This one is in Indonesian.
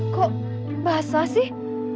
kok basah sih